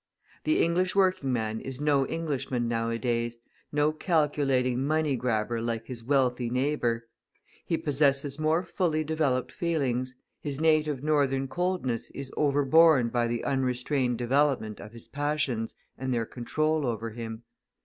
The English working man is no Englishman nowadays; no calculating money grabber like his wealthy neighbour. He possesses more fully developed feelings, his native northern coldness is overborne by the unrestrained development of his passions and their control over him.